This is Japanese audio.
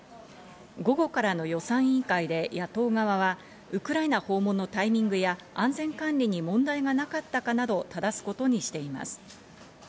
午後からの予算委員会で野党側はウクライナ訪問のタイミングや安全管理に問題がなかったかなど質すことにしています。